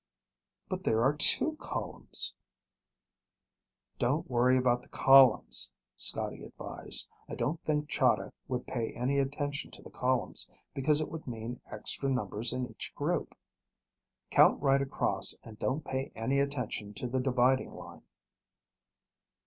"But there are two columns." "Don't worry about the columns," Scotty advised. "I don't think Chahda would pay any attention to the columns, because it would mean extra numbers in each group. Count right across and don't pay any attention to the dividing line."